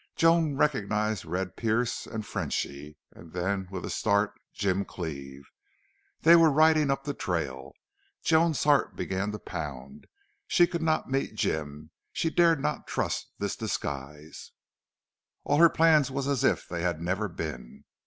Joan recognized Red Pearce and Frenchy, and then, with a start, Jim Cleve. They were riding up the trail. Joan's heart began to pound. She could not meet Jim; she dared not trust this disguise; all her plans were as if they had never been.